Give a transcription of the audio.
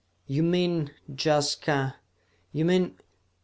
"You mean, Jaska ... you mean...."